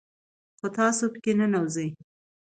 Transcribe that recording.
خو تاسو په كي ننوځئ